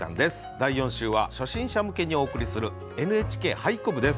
第４週は初心者向けにお送りする「ＮＨＫ俳句部」です。